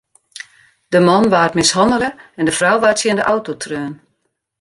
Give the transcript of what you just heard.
De man waard mishannele en de frou waard tsjin de auto treaun.